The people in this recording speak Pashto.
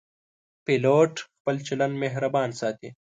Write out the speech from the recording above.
پیلوټ خپل چلند مهربان ساتي.